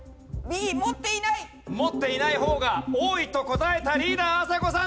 持っていない方が多いと答えたリーダーあさこさん。